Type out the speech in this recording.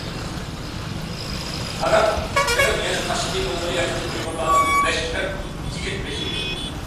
قارا كېرەم يەنە تاشقى موڭغۇلىيەدىكى ئۇيغۇرلارنىڭ مەشرەپ يىگىت بېشى ئىدى.